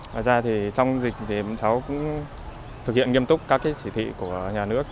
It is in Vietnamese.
nói ra thì trong dịch thì cháu cũng thực hiện nghiêm túc các chỉ thị của nhà nước